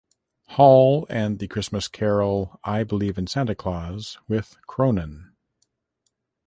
Hall and the Christmas carol "I Believe in Santa Claus" with Cronin.